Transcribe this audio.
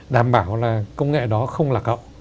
đảm bảo là công nghệ đó không lạc hậu